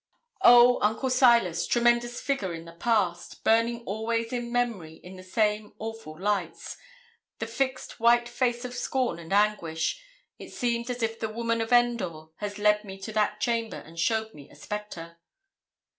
Oh! Uncle Silas, tremendous figure in the past, burning always in memory in the same awful lights; the fixed white face of scorn and anguish! It seems as if the Woman of Endor had led me to that chamber and showed me a spectre.